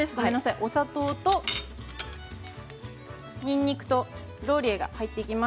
お砂糖とにんにくとローリエが入っていきます。